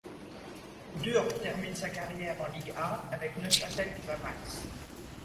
Dürr termine sa carrière en ligue A avec Neuchâtel Xamax.